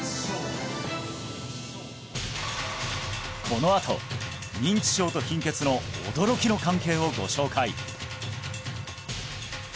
このあと認知症と貧血の驚きの関係をご紹介